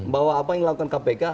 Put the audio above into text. bahwa apa yang dilakukan kpk